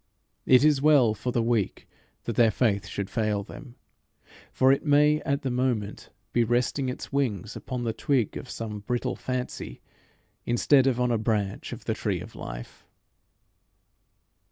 It is well for the weak that their faith should fail them, for it may at the moment be resting its wings upon the twig of some brittle fancy, instead of on a branch of the tree of life.